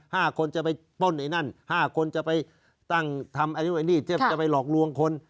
ห้าคนจะไปป้นไอ้นั่นห้าคนจะไปตั้งทำไอ้นี่จะไปหลอกลวงคน